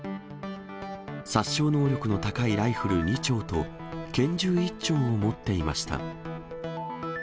殺傷能力の高いライフル２丁と、拳銃１丁を持っていました。